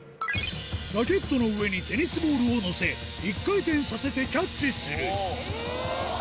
ラケットの上にテニスボールを載せ、１回転させてキャッチする。